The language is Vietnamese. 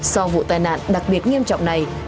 so với vụ tai nạn đặc biệt nghiêm trọng này